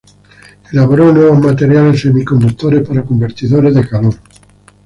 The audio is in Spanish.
Elaboró nuevos materiales semiconductores para convertidores de calor.